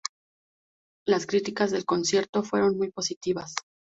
Las críticas del concierto fueron muy positivas.